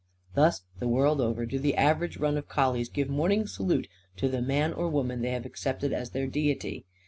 Thus, the world over, do the average run of collies give morning salute to the man or woman they have accepted as their deity.